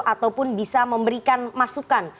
ataupun bisa memberikan masukan